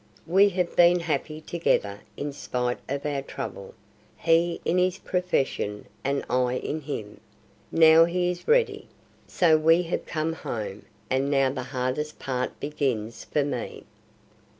We have been happy together in spite of our trouble, he in his profession, and I in him; now he is ready, so we have come home, and now the hardest part begins for me."